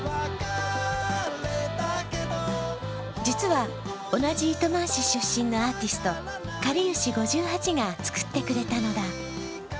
実は同じ糸満市出身のアーティスト、かりゆし５８が作ってくれたのだ。